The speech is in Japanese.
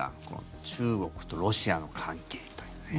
この中国とロシアの関係という。